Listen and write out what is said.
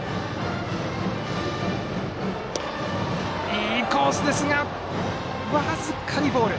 いいコースですが僅かにボール。